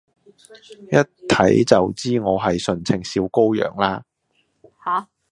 一睇就知我係純情小羔羊啦？